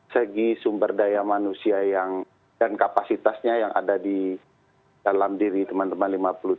segi sumber daya manusia dan kapasitasnya yang ada di dalam diri teman teman lima puluh tujuh